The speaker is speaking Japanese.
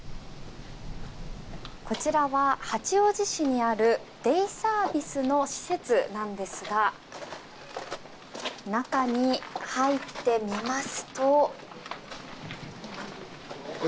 こちらは八王子市にあるデイサービスの施設ですが中に入ってみますと。